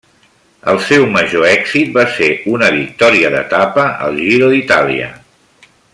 El seu major èxit va ser una victòria d'etapa al Giro d'Itàlia.